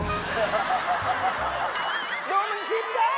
ดูมันคิดด้วย